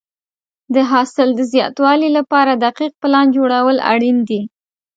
د حاصل د زیاتوالي لپاره دقیق پلان جوړول اړین دي.